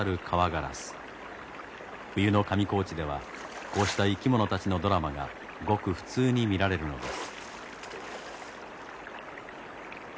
冬の上高地ではこうした生き物たちのドラマがごく普通に見られるのです。